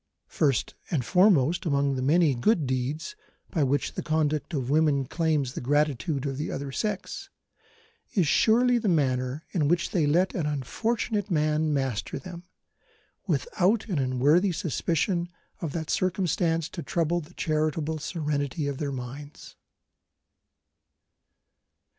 First and foremost among the many good deeds by which the conduct of women claims the gratitude of the other sex, is surely the manner in which they let an unfortunate man master them, without an unworthy suspicion of that circumstance to trouble the charitable serenity of their minds.